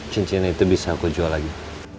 cincin itu bisa aku jual lagi